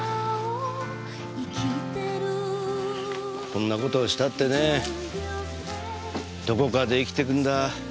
こんな事をしたってねどこかで生きてくんだ